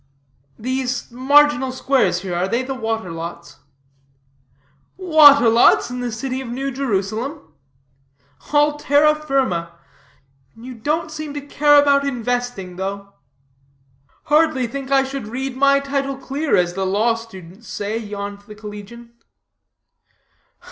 "These marginal squares here, are they the water lots?" "Water lots in the city of New Jerusalem? All terra firma you don't seem to care about investing, though?" "Hardly think I should read my title clear, as the law students say," yawned the collegian.